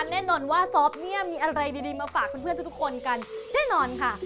แน่นอนว่าซอฟต์เนี่ยมีอะไรดีมาฝากเพื่อนทุกคนกันแน่นอนค่ะ